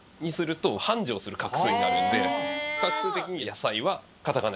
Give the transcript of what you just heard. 画数的に。